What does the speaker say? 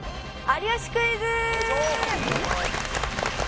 『有吉クイズ』！